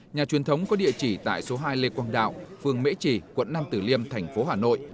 nhà truyền thống có địa chỉ tại số hai lê quang đạo phường mễ trì quận năm tử liêm thành phố hà nội